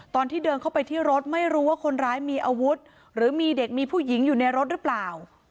ตอนที่เดินเข้าไปที่รถไม่รู้ว่าคนร้ายมีอาวุธหรือมีเด็กมีผู้หญิงอยู่ในรถหรือเปล่า